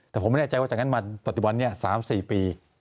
แต่ผมไม่แน่ใจว่าจากนั้นมาปัจจุบันนี้๓๔ปี